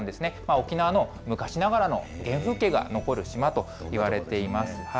沖縄の昔ながらの原風景が残る島といわれています。